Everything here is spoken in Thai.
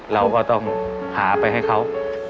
เราก็ต้องหาไปให้เขา